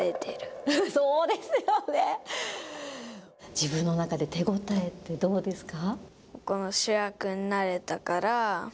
自分の中で手応えってどうですか。